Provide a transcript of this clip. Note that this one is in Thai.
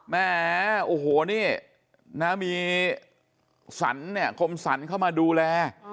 แหมโอ้โหนี้น้าวีสัญเนี่ยกลมสัญเข้ามาดูแล